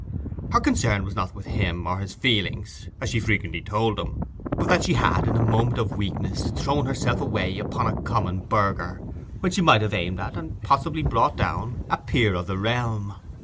Her concern was not with him or his feelings, as she frequently told him; but that she had, in a moment of weakness, thrown herself away upon a common burgher when she might have aimed at, and possibly brought down, a peer of the realm.